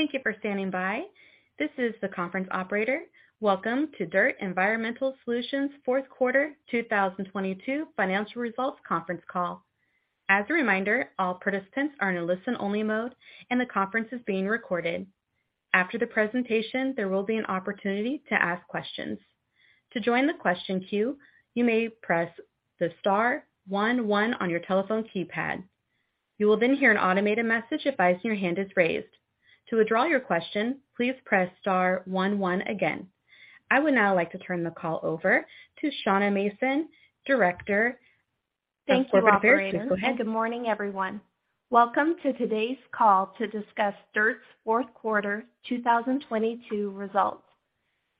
Thank you for standing by. This is the conference operator. Welcome to DIRTT Environmental Solutions fourth quarter 2022 financial results conference call. As a reminder, all participants are in a listen only mode and the conference is being recorded. After the presentation, there will be an opportunity to ask questions. To join the question queue, you may press the star one one on your telephone keypad. You will hear an automated message advising your hand is raised. To withdraw your question, please press star one one again. I would now like to turn the call over to Shauna Mason, Director of Corporate Affairs. Go ahead. Thank you, operator. Good morning, everyone. Welcome to today's call to discuss DIRTT's fourth quarter 2022 results.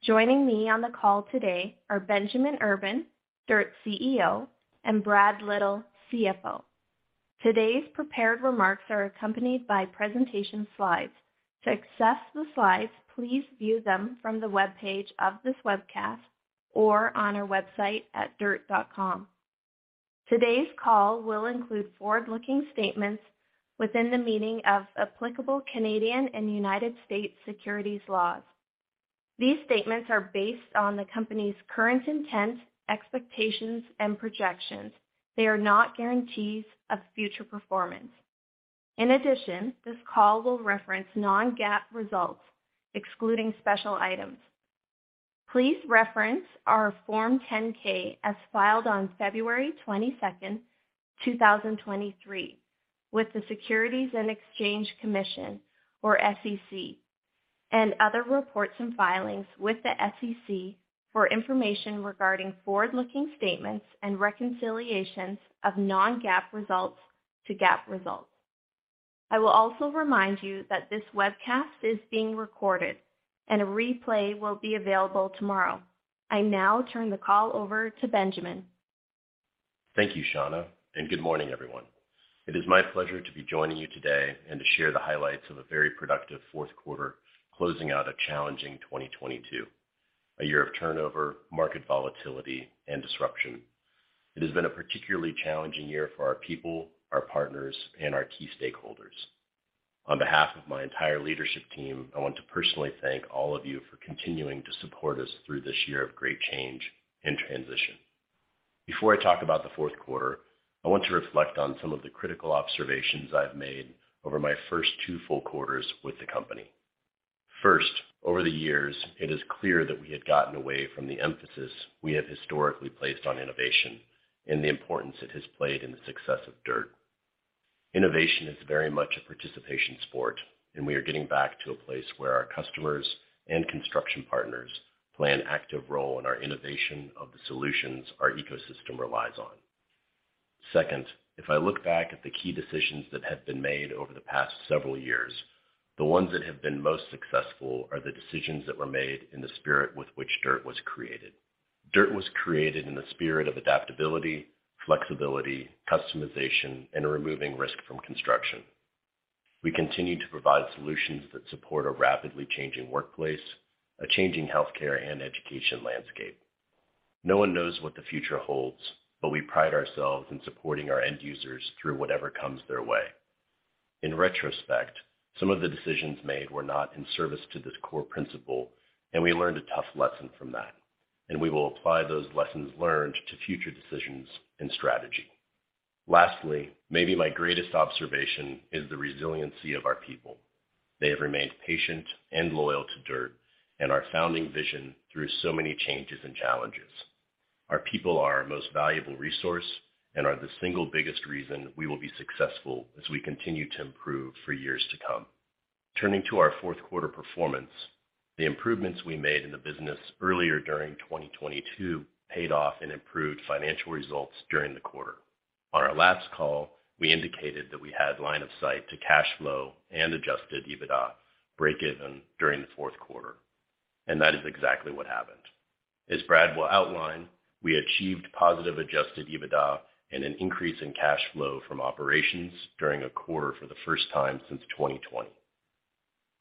Joining me on the call today are Benjamin Urban, DIRTT's CEO, and Brad Little, CFO. Today's prepared remarks are accompanied by presentation slides. To access the slides, please view them from the webpage of this webcast or on our website at dirtt.com. Today's call will include forward-looking statements within the meaning of applicable Canadian and United States securities laws. These statements are based on the company's current intent, expectations, and projections. They are not guarantees of future performance. In addition, this call will reference non-GAAP results, excluding special items. Please reference our Form 10-K as filed on February 22nd, 2023, with the Securities and Exchange Commission, or SEC, and other reports and filings with the SEC for information regarding forward-looking statements and reconciliations of non-GAAP results to GAAP results. I will also remind you that this webcast is being recorded and a replay will be available tomorrow. I now turn the call over to Benjamin. Thank you, Shauna. Good morning, everyone. It is my pleasure to be joining you today and to share the highlights of a very productive fourth quarter, closing out a challenging 2022, a year of turnover, market volatility, and disruption. It has been a particularly challenging year for our people, our partners, and our key stakeholders. On behalf of my entire leadership team, I want to personally thank all of you for continuing to support us through this year of great change and transition. Before I talk about the fourth quarter, I want to reflect on some of the critical observations I've made over my first two full quarters with the company. First, over the years, it is clear that we had gotten away from the emphasis we have historically placed on innovation and the importance it has played in the success of DIRTT. Innovation is very much a participation sport, and we are getting back to a place where our customers and construction partners play an active role in our innovation of the solutions our ecosystem relies on. Second, if I look back at the key decisions that have been made over the past several years, the ones that have been most successful are the decisions that were made in the spirit with which DIRTT was created. DIRTT was created in the spirit of adaptability, flexibility, customization, and removing risk from construction. We continue to provide solutions that support a rapidly changing workplace, a changing healthcare and education landscape. No one knows what the future holds, but we pride ourselves in supporting our end users through whatever comes their way. In retrospect, some of the decisions made were not in service to this core principle, and we learned a tough lesson from that, and we will apply those lessons learned to future decisions and strategy. Lastly, maybe my greatest observation is the resiliency of our people. They have remained patient and loyal to DIRTT and our founding vision through so many changes and challenges. Our people are our most valuable resource and are the single biggest reason we will be successful as we continue to improve for years to come. Turning to our fourth quarter performance, the improvements we made in the business earlier during 2022 paid off in improved financial results during the quarter. On our last call, we indicated that we had line of sight to cash flow and adjusted EBITDA breakeven during the fourth quarter. That is exactly what happened. As Brad will outline, we achieved positive adjusted EBITDA and an increase in cash flow from operations during a quarter for the first time since 2020.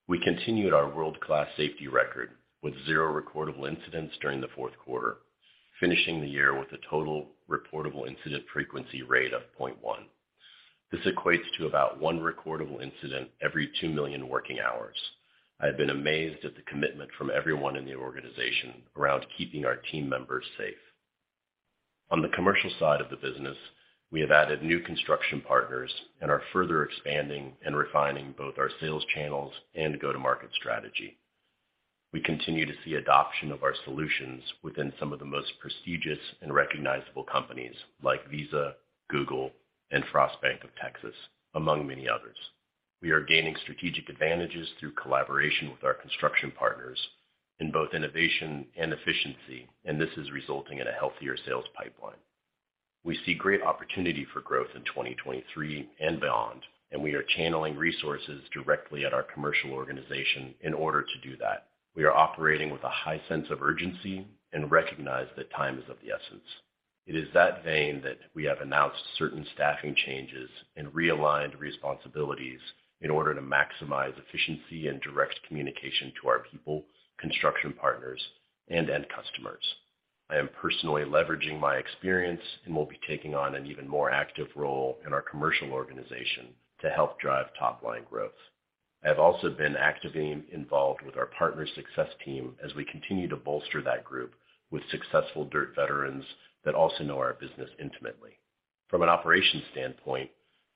We continued our world-class safety record with zero recordable incidents during the fourth quarter, finishing the year with a total reportable incident frequency rate of 0.1. This equates to about one recordable incident every 2 million working hours. I have been amazed at the commitment from everyone in the organization around keeping our team members safe. On the commercial side of the business, we have added new construction partners and are further expanding and refining both our sales channels and go-to-market strategy. We continue to see adoption of our solutions within some of the most prestigious and recognizable companies like Visa, Google, and Frost Bank of Texas, among many others. We are gaining strategic advantages through collaboration with our construction partners in both innovation and efficiency, and this is resulting in a healthier sales pipeline. We see great opportunity for growth in 2023 and beyond, and we are channeling resources directly at our commercial organization in order to do that. We are operating with a high sense of urgency and recognize that time is of the essence. It is that vein that we have announced certain staffing changes and realigned responsibilities in order to maximize efficiency and direct communication to our people, construction partners, and end customers. I am personally leveraging my experience and will be taking on an even more active role in our commercial organization to help drive top-line growth. I have also been actively involved with our partner success team as we continue to bolster that group with successful DIRTT veterans that also know our business intimately. From an operations standpoint,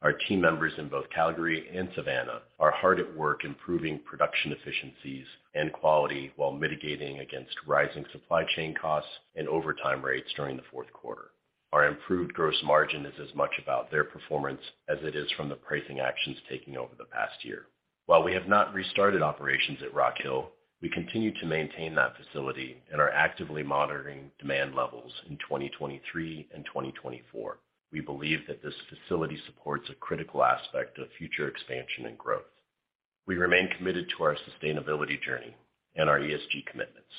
our team members in both Calgary and Savannah are hard at work improving production efficiencies and quality while mitigating against rising supply chain costs and overtime rates during the fourth quarter. Our improved gross margin is as much about their performance as it is from the pricing actions taking over the past year. While we have not restarted operations at Rock Hill, we continue to maintain that facility and are actively monitoring demand levels in 2023 and 2024. We believe that this facility supports a critical aspect of future expansion and growth. We remain committed to our sustainability journey and our ESG commitments.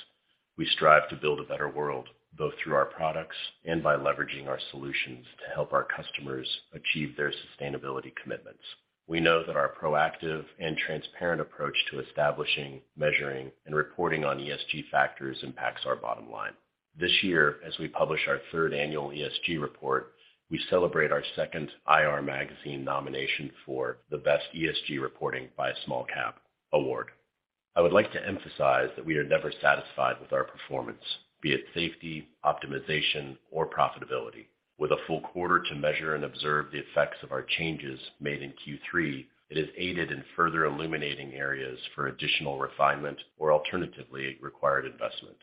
We strive to build a better world, both through our products and by leveraging our solutions to help our customers achieve their sustainability commitments. We know that our proactive and transparent approach to establishing, measuring, and reporting on ESG factors impacts our bottom line. This year, as we publish our third annual ESG report, we celebrate our second IR Magazine nomination for the Best ESG Reporting by a Small Cap award. I would like to emphasize that we are never satisfied with our performance, be it safety, optimization, or profitability. With a full quarter to measure and observe the effects of our changes made in Q3, it has aided in further illuminating areas for additional refinement or alternatively required investment.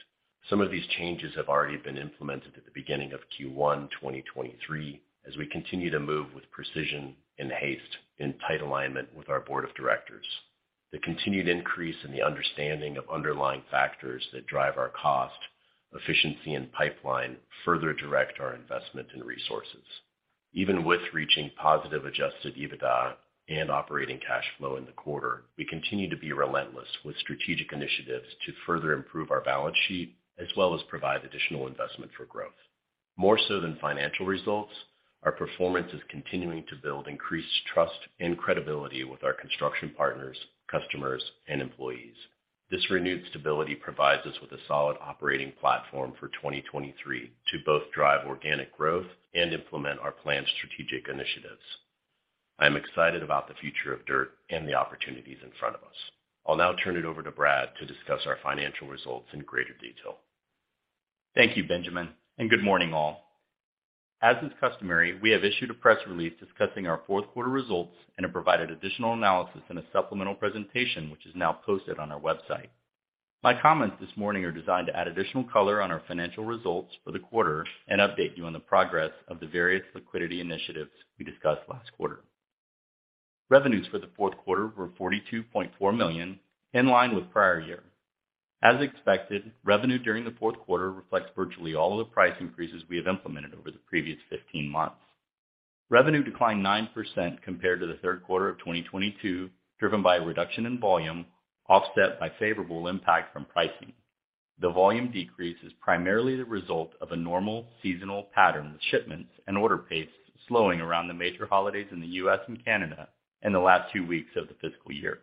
Some of these changes have already been implemented at the beginning of Q1, 2023, as we continue to move with precision and haste in tight alignment with our board of directors. The continued increase in the understanding of underlying factors that drive our cost, efficiency, and pipeline further direct our investment and resources. Even with reaching positive adjusted EBITDA and operating cash flow in the quarter, we continue to be relentless with strategic initiatives to further improve our balance sheet, as well as provide additional investment for growth. More so than financial results, our performance is continuing to build increased trust and credibility with our construction partners, customers, and employees. This renewed stability provides us with a solid operating platform for 2023 to both drive organic growth and implement our planned strategic initiatives. I am excited about the future of DIRTT and the opportunities in front of us. I'll now turn it over to Brad to discuss our financial results in greater detail. Thank you, Benjamin, and good morning, all. As is customary, we have issued a press release discussing our fourth quarter results and have provided additional analysis in a supplemental presentation, which is now posted on our website. My comments this morning are designed to add additional color on our financial results for the quarter and update you on the progress of the various liquidity initiatives we discussed last quarter. Revenues for the fourth quarter were $42.4 million, in line with prior year. As expected, revenue during the fourth quarter reflects virtually all of the price increases we have implemented over the previous 15 months. Revenue declined 9% compared to the third quarter of 2022, driven by a reduction in volume offset by favorable impact from pricing. The volume decrease is primarily the result of a normal seasonal pattern, with shipments and order pace slowing around the major holidays in the U.S. and Canada in the last two weeks of the fiscal year.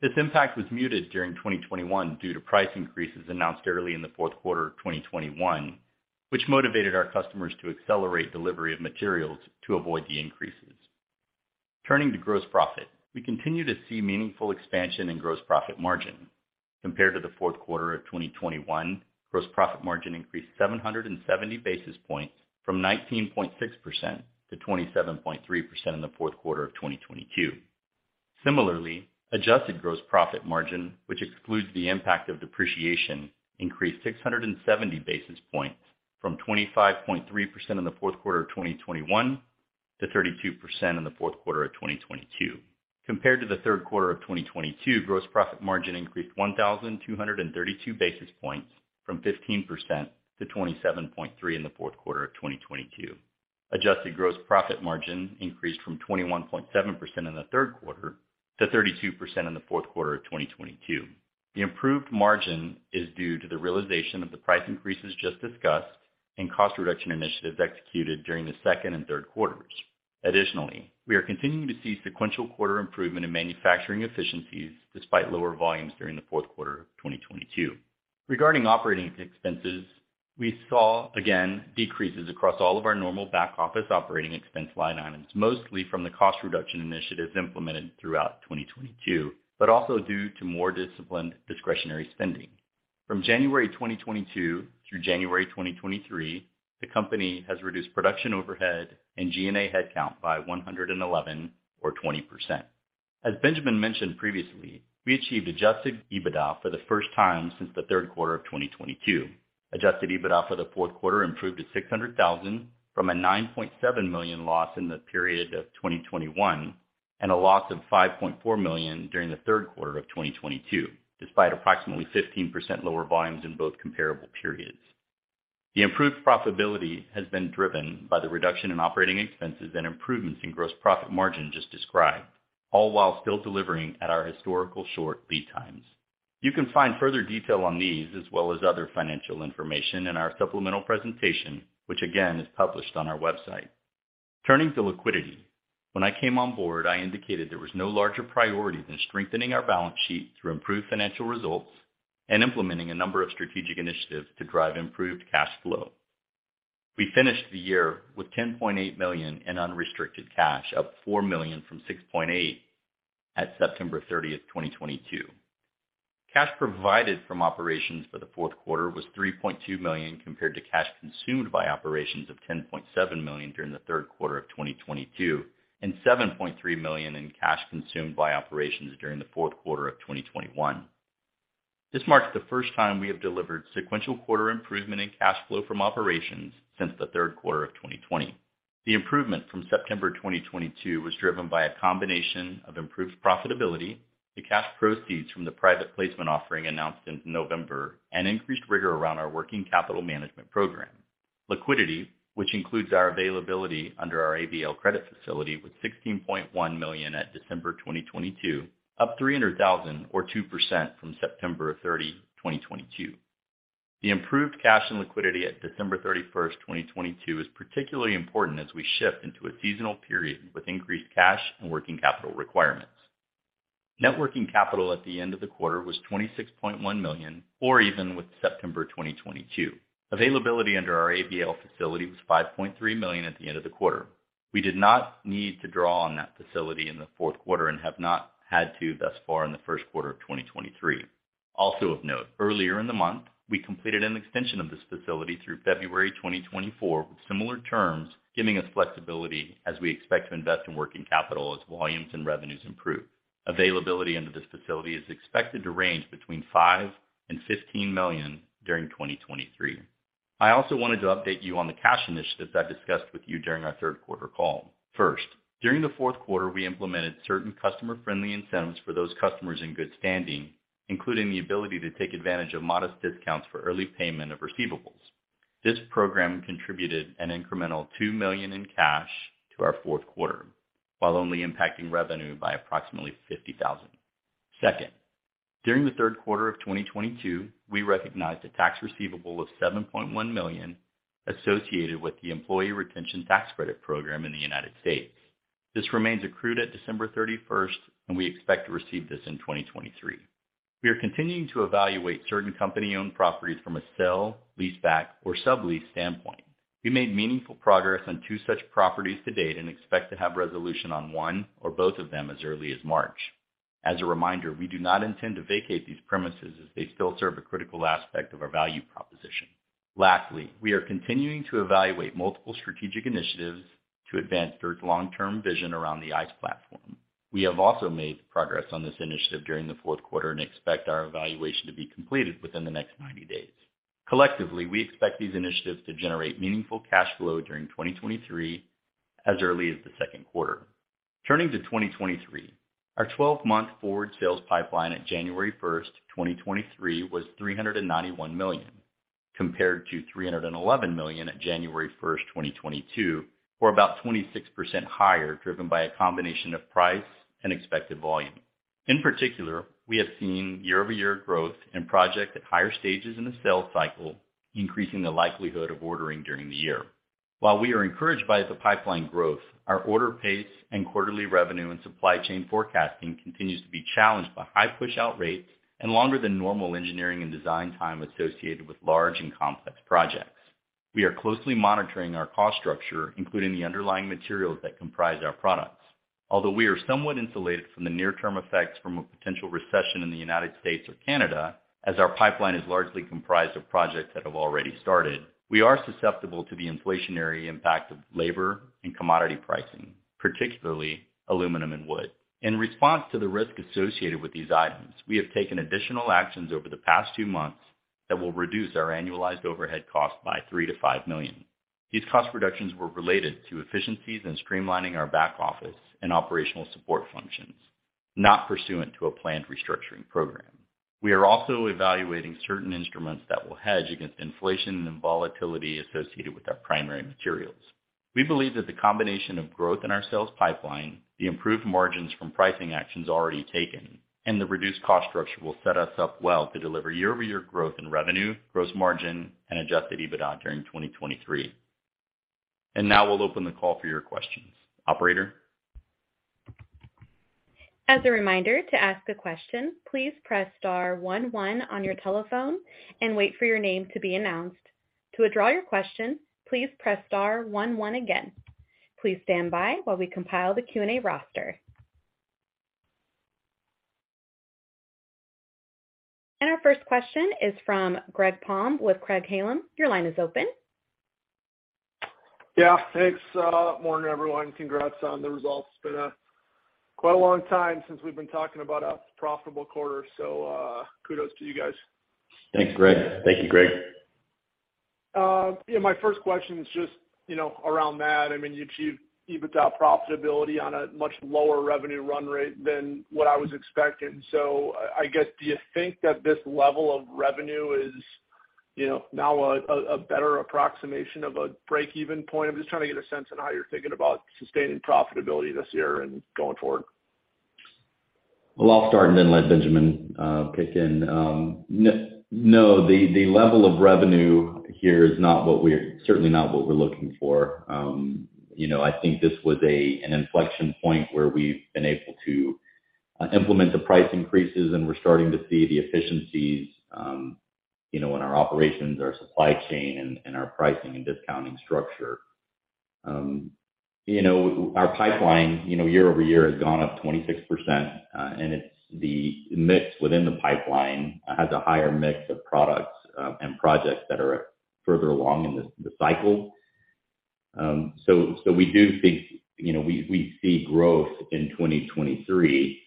This impact was muted during 2021 due to price increases announced early in the fourth quarter of 2021, which motivated our customers to accelerate delivery of materials to avoid the increases. Turning to gross profit, we continue to see meaningful expansion in gross profit margin. Compared to the fourth quarter of 2021, gross profit margin increased 770 basis points from 19.6% to 27.3% in the fourth quarter of 2022. Similarly, adjusted gross profit margin, which excludes the impact of depreciation, increased 670 basis points from 25.3% in the fourth quarter of 2021 to 32% in the fourth quarter of 2022. Compared to the third quarter of 2022, gross profit margin increased 1,232 basis points from 15% to 27.3% in the fourth quarter of 2022. Adjusted gross profit margin increased from 21.7% in the third quarter to 32% in the fourth quarter of 2022. The improved margin is due to the realization of the price increases just discussed and cost reduction initiatives executed during the second and third quarters. Additionally, we are continuing to see sequential quarter improvement in manufacturing efficiencies despite lower volumes during the fourth quarter of 2022. Regarding operating expenses, we saw, again, decreases across all of our normal back-office operating expense line items, mostly from the cost reduction initiatives implemented throughout 2022, but also due to more disciplined discretionary spending. From January 2022 through January 2023, the company has reduced production overhead and G&A headcount by 111, or 20%. As Benjamin mentioned previously, we achieved adjusted EBITDA for the first time since the third quarter of 2022. Adjusted EBITDA for the fourth quarter improved to $600,000 from a $9.7 million loss in the period of 2021, and a loss of $5.4 million during the third quarter of 2022, despite approximately 15% lower volumes in both comparable periods. The improved profitability has been driven by the reduction in operating expenses and improvements in gross profit margin just described, all while still delivering at our historical short lead times. You can find further detail on these as well as other financial information in our supplemental presentation, which again is published on our website. Turning to liquidity. When I came on board, I indicated there was no larger priority than strengthening our balance sheet through improved financial results and implementing a number of strategic initiatives to drive improved cash flow. We finished the year with $10.8 million in unrestricted cash, up $4 million from $6.8 at September 30th, 2022. Cash provided from operations for the fourth quarter was $3.2 million compared to cash consumed by operations of $10.7 million during the third quarter of 2022, and $7.3 million in cash consumed by operations during the fourth quarter of 2021. This marks the first time we have delivered sequential quarter improvement in cash flow from operations since the third quarter of 2020. The improvement from September 2022 was driven by a combination of improved profitability to cash proceeds from the private placement offering announced in November, and increased rigor around our working capital management program. Liquidity, which includes our availability under our ABL credit facility, was $16.1 million at December 2022, up $300,000 or 2% from September 30, 2022. The improved cash and liquidity at December 31, 2022 is particularly important as we shift into a seasonal period with increased cash and working capital requirements. Net working capital at the end of the quarter was $26.1 million, or even with September 2022. Availability under our ABL facility was $5.3 million at the end of the quarter. We did not need to draw on that facility in the fourth quarter and have not had to thus far in the first quarter of 2023. Also of note, earlier in the month, we completed an extension of this facility through February 2024, with similar terms giving us flexibility as we expect to invest in working capital as volumes and revenues improve. Availability under this facility is expected to range between $5 million and $15 million during 2023. I also wanted to update you on the cash initiatives I discussed with you during our third quarter call. First, during the fourth quarter, we implemented certain customer-friendly incentives for those customers in good standing, including the ability to take advantage of modest discounts for early payment of receivables. This program contributed an incremental $2 million in cash to our fourth quarter, while only impacting revenue by approximately $50,000. Second, during the third quarter of 2022, we recognized a tax receivable of $7.1 million associated with the Employee Retention Tax Credit program in the United States. This remains accrued at December 31st, and we expect to receive this in 2023. We are continuing to evaluate certain company-owned properties from a sell, leaseback or sublease standpoint. We made meaningful progress on 2 such properties to date, and expect to have resolution on 1 or both of them as early as March. As a reminder, we do not intend to vacate these premises as they still serve a critical aspect of our value proposition. Lastly, we are continuing to evaluate multiple strategic initiatives to advance DIRTT's long-term vision around the ICE platform. We have also made progress on this initiative during the fourth quarter and expect our evaluation to be completed within the next 90 days. Collectively, we expect these initiatives to generate meaningful cash flow during 2023 as early as the second quarter. Turning to 2023. Our 12-month forward sales pipeline at January 1, 2023, was $391 million, compared to $311 million at January 1, 2022, or about 26% higher, driven by a combination of price and expected volume. In particular, we have seen year-over-year growth in project at higher stages in the sales cycle, increasing the likelihood of ordering during the year. While we are encouraged by the pipeline growth, our order pace and quarterly revenue and supply chain forecasting continues to be challenged by high pushout rates and longer than normal engineering and design time associated with large and complex projects. We are closely monitoring our cost structure, including the underlying materials that comprise our products. Although we are somewhat insulated from the near term effects from a potential recession in the United States or Canada, as our pipeline is largely comprised of projects that have already started, we are susceptible to the inflationary impact of labor and commodity pricing, particularly aluminum and wood. In response to the risk associated with these items, we have taken additional actions over the past two months that will reduce our annualized overhead cost by $3 million-$5 million. These cost reductions were related to efficiencies and streamlining our back office and operational support functions, not pursuant to a planned restructuring program. We are also evaluating certain instruments that will hedge against inflation and volatility associated with our primary materials. We believe that the combination of growth in our sales pipeline, the improved margins from pricing actions already taken, and the reduced cost structure will set us up well to deliver year-over-year growth in revenue, gross margin and adjusted EBITDA during 2023. Now we'll open the call for your questions. Operator? As a reminder, to ask a question, please press star one one on your telephone and wait for your name to be announced. To withdraw your question, please press star one one again. Please stand by while we compile the Q&A roster. Our first question is from Greg Palm with Craig-Hallum. Your line is open. Yeah, thanks. Morning, everyone. Congrats on the results. It's been quite a long time since we've been talking about a profitable quarter, so, kudos to you guys. Thanks, Greg. Thank you, Greg. Yeah, my first question is just, you know, around that. I mean, you achieved EBITDA profitability on a much lower revenue run rate than what I was expecting. I guess, do you think that this level of revenue is, you know, now a better approximation of a break-even point? I'm just trying to get a sense on how you're thinking about sustaining profitability this year and going forward. Well, I'll start and then let Benjamin kick in. No, the level of revenue here is not what we're certainly not what we're looking for. You know, I think this was an inflection point where we've been able to implement the price increases, and we're starting to see the efficiencies, you know, in our operations, our supply chain, and our pricing and discounting structure. you know, our pipeline, you know, year-over-year has gone up 26%, and it's the mix within the pipeline has a higher mix of products, and projects that are further along in the cycle. So we do think, you know, we see growth in 2023,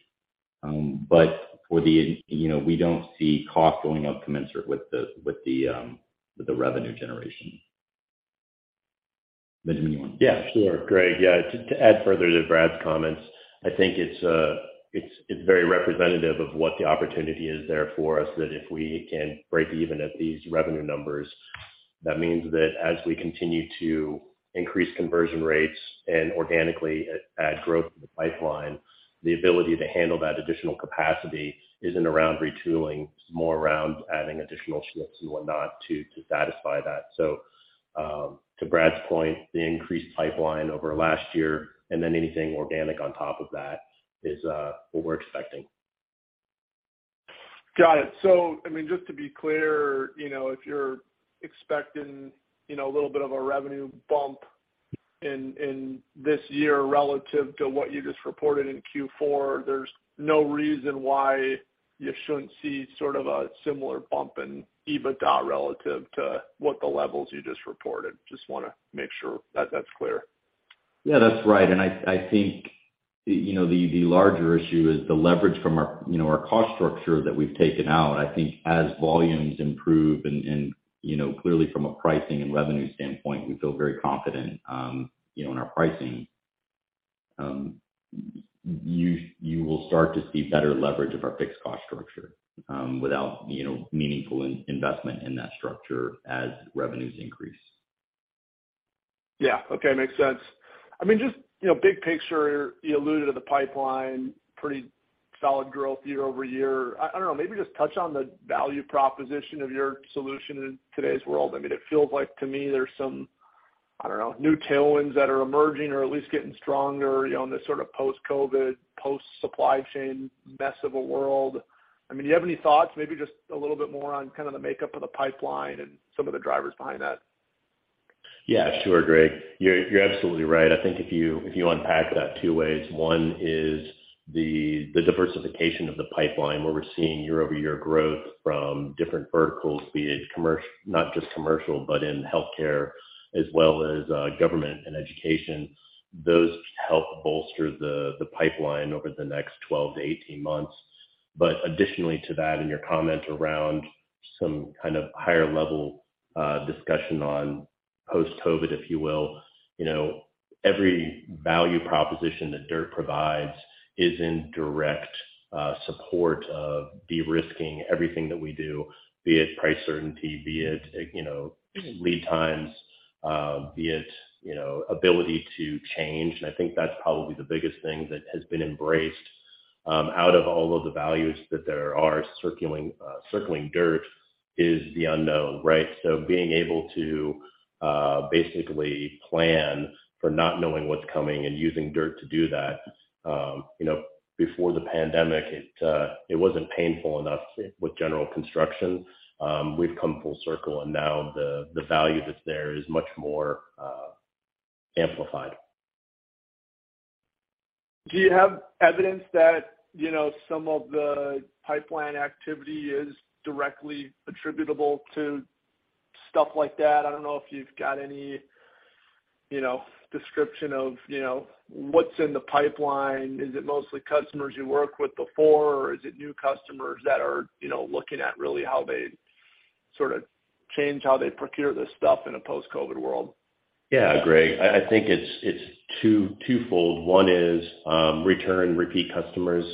for the, you know, we don't see cost going up commensurate with the, with the, with the revenue generation. Benjamin, you want to. Yeah, sure. Greg, to add further to Brad's comments, I think it's very representative of what the opportunity is there for us that if we can break even at these revenue numbers, that means that as we continue to increase conversion rates and organically add growth to the pipeline, the ability to handle that additional capacity isn't around retooling, it's more around adding additional shifts and whatnot to satisfy that. To Brad's point, the increased pipeline over last year and then anything organic on top of that is what we're expecting. Got it. I mean, just to be clear, you know, if you're expecting, you know, a little bit of a revenue bump in this year relative to what you just reported in Q4, there's no reason why you shouldn't see sort of a similar bump in EBITDA relative to what the levels you just reported. Just wanna make sure that that's clear. Yeah, that's right. I think, you know, the larger issue is the leverage from our, you know, our cost structure that we've taken out. I think as volumes improve and, you know, clearly from a pricing and revenue standpoint, we feel very confident, you know, in our pricing. You will start to see better leverage of our fixed cost structure, without, you know, meaningful in-investment in that structure as revenues increase. Yeah. Okay. Makes sense. I mean, just, you know, big picture, you alluded to the pipeline, pretty solid growth year-over-year. I don't know, maybe just touch on the value proposition of your solution in today's world. I mean, it feels like to me there's some, I don't know, new tailwinds that are emerging or at least getting stronger, you know, in this sort of post-COVID, post-supply chain mess of a world. I mean, do you have any thoughts, maybe just a little bit more on kind of the makeup of the pipeline and some of the drivers behind that? Yeah, sure, Greg. You're absolutely right. I think if you unpack that two ways, one is the diversification of the pipeline where we're seeing year-over-year growth from different verticals, be it not just commercial, but in healthcare as well as government and education. Those help bolster the pipeline over the next 12 to 18 months. Additionally to that, in your comment around some kind of higher level discussion on post-COVID, if you will, you know, every value proposition that DIRTT provides is in direct support of de-risking everything that we do, be it price certainty, be it, you know, lead times, be it, you know, ability to change. I think that's probably the biggest thing that has been embraced, out of all of the values that there are circling DIRTT is the unknown, right? Being able to, basically plan for not knowing what's coming and using DIRTT to do that, you know, before the pandemic it wasn't painful enough with general construction. We've come full circle, and now the value that's there is much more amplified. Do you have evidence that, you know, some of the pipeline activity is directly attributable to stuff like that? I don't know if you've got any, you know, description of, you know, what's in the pipeline. Is it mostly customers you worked with before, or is it new customers that are, you know, looking at really how they sort of change how they procure this stuff in a post-COVID world? Greg, I think it's twofold. One is return repeat customers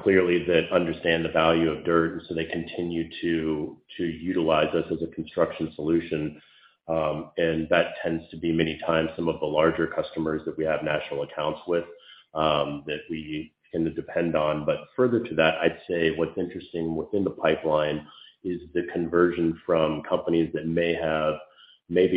clearly that understand the value of DIRTT, they continue to utilize us as a construction solution. That tends to be many times some of the larger customers that we have national accounts with, that we tend to depend on. Further to that, I'd say what's interesting within the pipeline is the conversion from companies that may have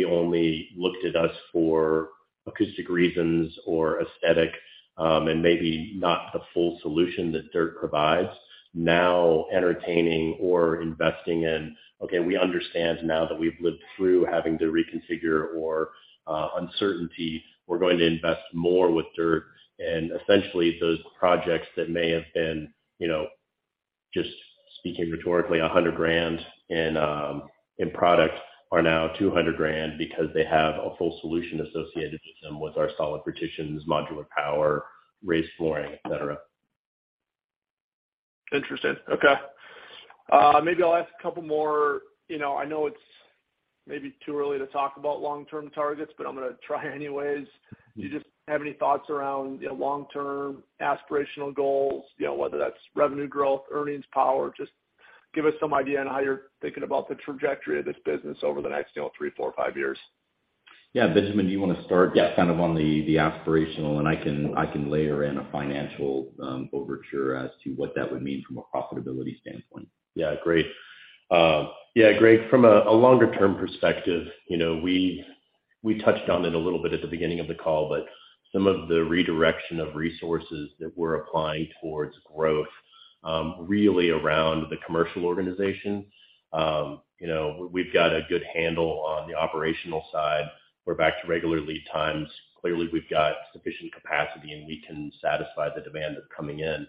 only looked at us for acoustic reasons or aesthetic, and maybe not the full solution that DIRTT provides now entertaining or investing in. Okay, we understand now that we've lived through having to reconfigure or uncertainty, we're going to invest more with DIRTT. Essentially, those projects that may have been, you know, just speaking rhetorically, $100,000 in product are now $200,000 because they have a full solution associated with them with our solid partitions, modular power, raised flooring, et cetera. Interesting. Okay. maybe I'll ask a couple more. You know, I know it's maybe too early to talk about long-term targets, but I'm gonna try anyways. Mm-hmm. Do you just have any thoughts around, you know, long-term aspirational goals, you know, whether that's revenue growth, earnings power? Just give us some idea on how you're thinking about the trajectory of this business over the next, you know, three, four, five years. Yeah. Benjamin, do you want to start-? Yeah... kind of on the aspirational and I can layer in a financial overture as to what that would mean from a profitability standpoint. Yeah. Great. Yeah, Greg, from a longer term perspective, you know, we touched on it a little bit at the beginning of the call, but some of the redirection of resources that we're applying towards growth, really around the commercial organization. You know, we've got a good handle on the operational side. We're back to regular lead times. Clearly, we've got sufficient capacity, and we can satisfy the demand that's coming in.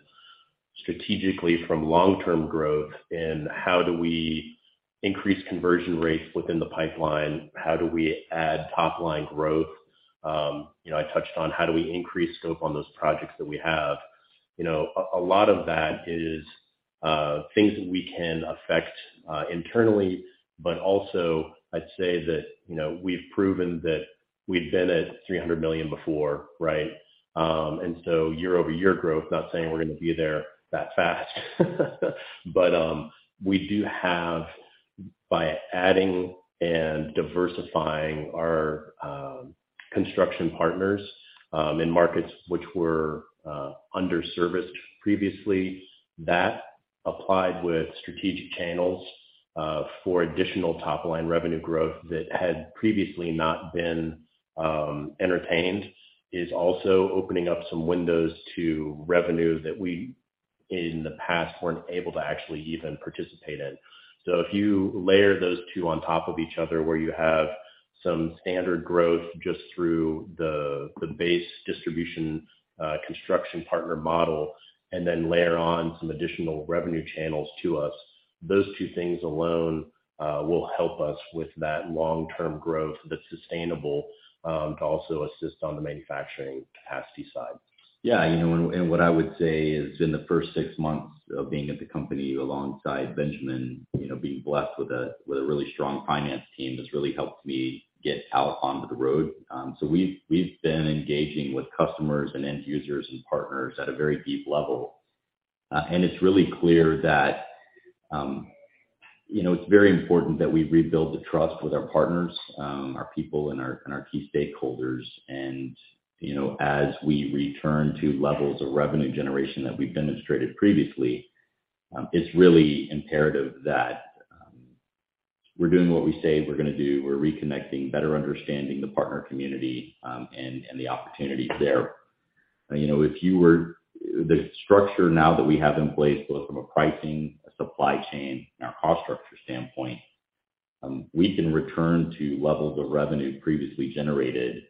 Strategically from long-term growth and how do we increase conversion rates within the pipeline? How do we add top-line growth? You know, I touched on how do we increase scope on those projects that we have. You know, a lot of that is, things that we can affect internally. Also I'd say that, you know, we've proven that we've been at $300 million before, right? Year-over-year growth, not saying we're gonna be there that fast. We do have by adding and diversifying our construction partners in markets which were underserviced previously, that applied with strategic channels for additional top-line revenue growth that had previously not been entertained, is also opening up some windows to revenue that we in the past weren't able to actually even participate in. If you layer those two on top of each other where you have some standard growth just through the base distribution, construction partner model, and then layer on some additional revenue channels to us, those two things alone will help us with that long-term growth that's sustainable to also assist on the manufacturing capacity side. Yeah. You know, and, and what I would say is in the first six months of being at the company alongside Benjamin, you know, being blessed with a, with a really strong finance team has really helped me get out onto the road. Um, so we've, we've been engaging with customers and end users and partners at a very deep level. Uh, and it's really clear that, um, you know, it's very important that we rebuild the trust with our partners, um, our people and our, and our key stakeholders. And, you know, as we return to levels of revenue generation that we've demonstrated previously, um, it's really imperative that, um, we're doing what we say we're gonna do. We're reconnecting, better understanding the partner community, um, and, and the opportunities there. You know, if you were... The structure now that we have in place, both from a pricing, a supply chain and our cost structure standpoint, we can return to levels of revenue previously generated,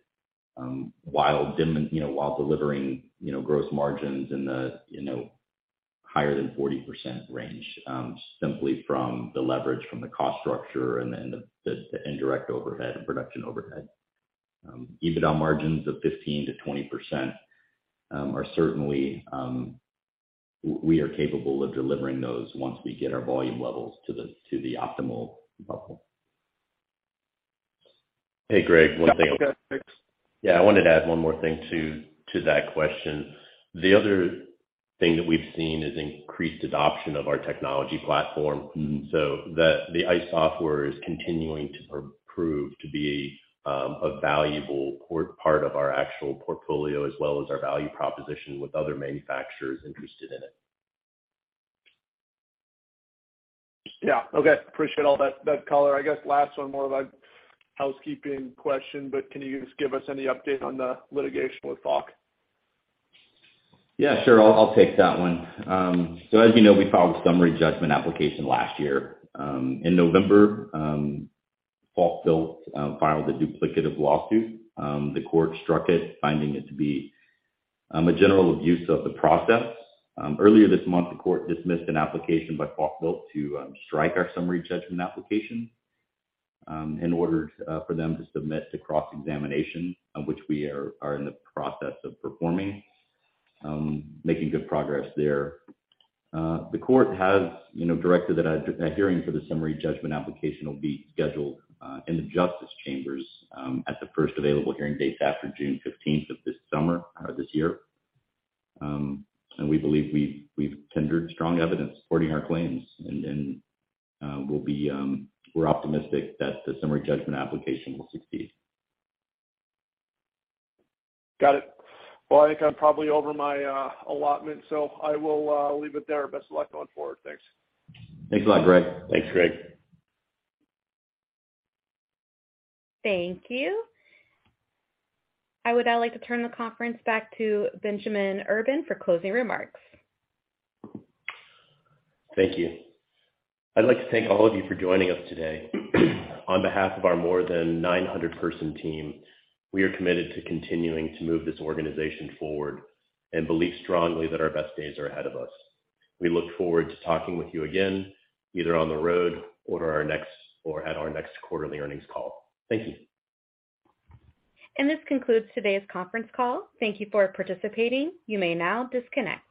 while you know, while delivering, you know, gross margins in the, you know, higher than 40% range, simply from the leverage from the cost structure and then the indirect overhead and production overhead. EBITDA margins of 15%-20% are certainly. We are capable of delivering those once we get our volume levels to the, to the optimal level. Hey, Greg, one thing... Yeah. Go ahead, Ben. I wanted to add one more thing to that question. The other thing that we've seen is increased adoption of our technology platform. Mm-hmm. The ICE software is continuing to prove to be a valuable core part of our actual portfolio as well as our value proposition with other manufacturers interested in it. Yeah. Okay. Appreciate all that color. I guess last one, more of a housekeeping question. Can you just give us any update on the litigation with Falkbuilt? Yeah, sure. I'll take that one. As you know, we filed a summary judgment application last year. In November, Falkbuilt filed a duplicative lawsuit. The court struck it, finding it to be a general abuse of the process. Earlier this month, the court dismissed an application by Falkbuilt to strike our summary judgment application and ordered for them to submit to cross-examination, which we are in the process of performing. Making good progress there. The court has, you know, directed that hearing for the summary judgment application will be scheduled in the justice chambers at the first available hearing dates after June 15th of this summer, this year. We believe we've tendered strong evidence supporting our claims. We'll be. We're optimistic that the summary judgment application will succeed. Got it. Well, I think I'm probably over my allotment, so I will leave it there. Best of luck going forward. Thanks. Thanks a lot, Greg. Thanks, Greg. Thank you. I would now like to turn the conference back to Benjamin Urban for closing remarks. Thank you. I'd like to thank all of you for joining us today. On behalf of our more than 900 person team, we are committed to continuing to move this organization forward and believe strongly that our best days are ahead of us. We look forward to talking with you again, either on the road or at our next quarterly earnings call. Thank you. This concludes today's conference call. Thank you for participating. You may now disconnect.